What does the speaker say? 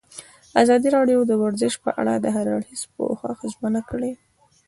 ازادي راډیو د ورزش په اړه د هر اړخیز پوښښ ژمنه کړې.